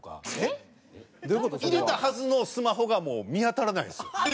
入れたはずのスマホがもう見当たらないんですよ。